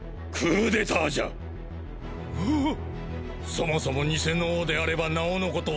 そもそも偽の王であればなおのこと。